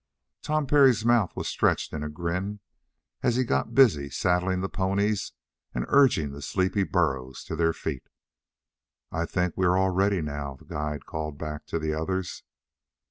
Tom Parry's mouth was stretched in a grin as he got busy saddling the ponies and urging the sleepy burros to their feet. "I think we are all ready now," the guide called back to the others.